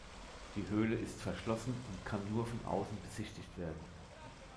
Die Höhle ist verschlossen und kann nur von außen besichtigt werden.